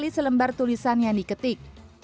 sebelah sekeli selembar tulisan yang diketik